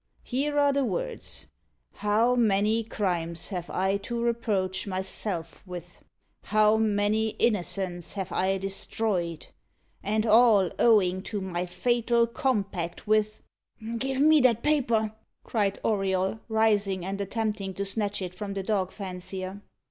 Here are the words: 'How many crimes have I to reproach myself with! How many innocents have I destroyed! And all owing to my fatal compact with '" "Give me that paper," cried Auriol, rising, and attempting to snatch it from the dog fancier.